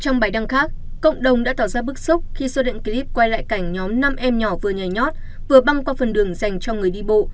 trong bài đăng khác cộng đồng đã tỏ ra bức xúc khi xuất hiện clip quay lại cảnh nhóm năm em nhỏ vừa nhảy nhót vừa băng qua phần đường dành cho người đi bộ